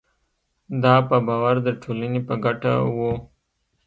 دا په باور د ټولنې په ګټه وو.